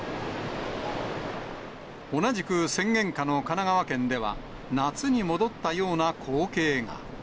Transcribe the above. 同じく宣言下の神奈川県では、夏に戻ったような光景が。